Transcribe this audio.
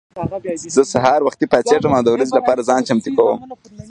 زه هر سهار وختي پاڅېږم او د ورځې لپاره ځان چمتو کوم.